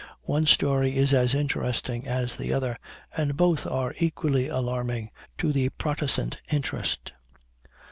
One story is as interesting as the other, and both are equally alarming to the Protestant interest."